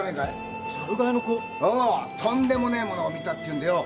とんでもねえものを見たっていうんでよ